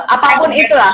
apapun itu lah